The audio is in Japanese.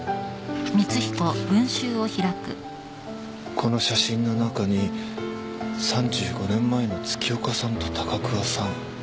この写真の中に３５年前の月岡さんと高桑さん。